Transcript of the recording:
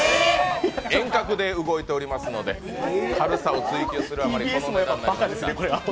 遠隔で動いておりますので軽さを追求するあまりこの値段になりました。